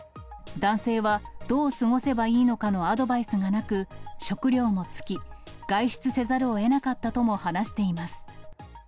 男性はどう過ごせばいいのかのアドバイスがなく、食料も尽き、外出せざるをえなかったとも話しています。